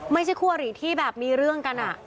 ไม่ใช่คู่เรียรี่ที่แบบมีเรื่องกันน่ะ